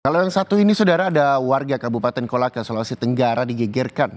kalau yang satu ini saudara ada warga kabupaten kolaka sulawesi tenggara digegerkan